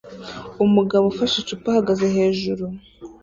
Umugabo ufashe icupa ahagaze hejuru